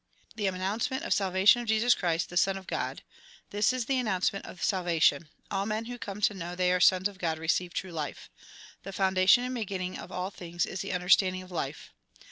' The announcement of salvation of Jesus Christ, the Son of God. This is the announcement of salvation ; all men who come to know they are sons of God receive true life. The foundation and beginning of all things is the understanding of life.